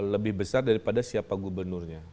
lebih besar daripada siapa gubernurnya